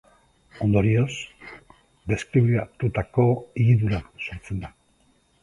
Ondorioz, deskribatutako higidura sortzen da.